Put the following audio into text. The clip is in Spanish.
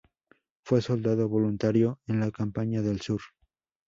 Fue soldado voluntario en la Campaña del sur.